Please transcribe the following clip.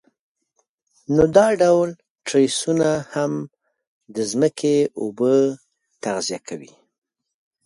نو دا ډول تریسونه هم د ځمکې اوبه تغذیه کوي.